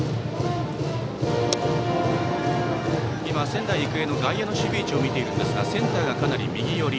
仙台育英の外野の守備位置を見ているんですがセンターはかなり右寄り。